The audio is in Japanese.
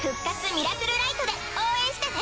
ミラクルライトで応援してね！